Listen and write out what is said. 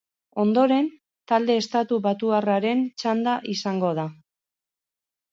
Ondoren, talde estatubatuarraren txanda izango da.